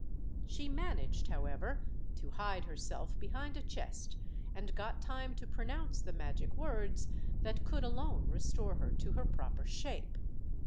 She managed, however, to hide herself behind a chest, and got time to pronounce the magic words that could alone restore her to her proper shape.